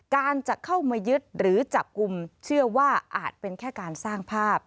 การจะเข้ามายึดหรือจับกลุ่มเชื่อว่าอาจเป็นแค่การสร้างภาพ